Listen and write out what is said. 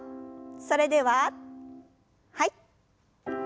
それでははい。